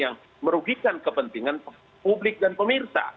yang merugikan kepentingan publik dan pemirsa